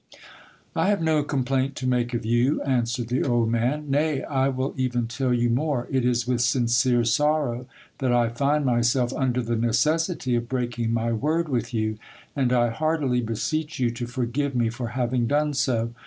I have no complaint to make of you, answered the old man ; nay, I will even tell you more ; it is with sincere sorrow that I find myself under the necessity of breaking my word with you, and I heartily beseech you to forgive me for having done so.